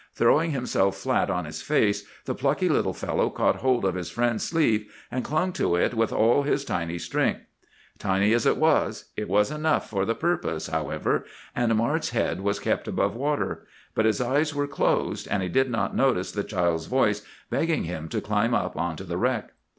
Throwing himself flat on his face, the plucky little fellow caught hold of his friend's sleeve, and clung to it with all his tiny strength. Tiny as it was, it was enough for the purpose, however, and Mart's head was kept above water; but his eyes were closed, and he did not notice the child's voice begging him to climb up onto the wreck.